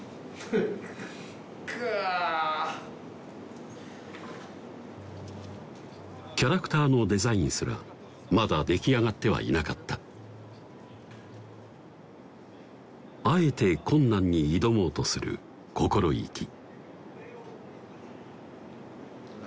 くわキャラクターのデザインすらまだ出来上がってはいなかったあえて困難に挑もうとする心意気